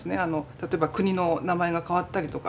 例えば国の名前が変わったりとか。